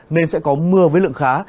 nên sẽ có mưa với lượng khá